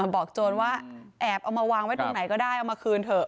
โจรว่าแอบเอามาวางไว้ตรงไหนก็ได้เอามาคืนเถอะ